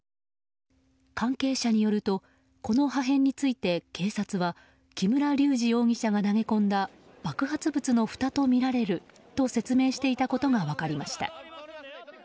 関係者によるとこの破片について警察は木村隆二容疑者が投げ込んだ爆発物のふたとみられると説明していたことが分かりました。